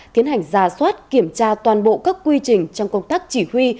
tiến hành ra soát kiểm tra toàn bộ các quy trình trong công tác chỉ huy